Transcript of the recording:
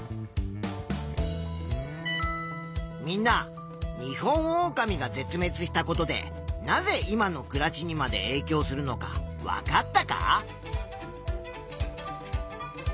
みんなニホンオオカミが絶滅したことでなぜ今の暮らしにまでえいきょうするのかわかったか？